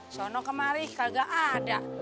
sebenarnya kemarin tidak ada